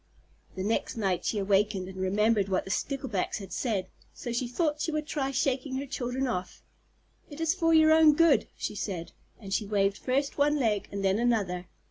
The next night she awakened and remembered what the Sticklebacks had said, so she thought she would try shaking her children off. "It is for your own good," she said, and she waved first one leg and then another.